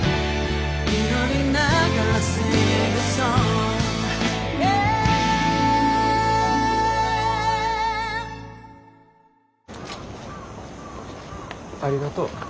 ありがとう。